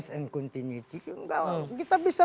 berkelanjutan kita bisa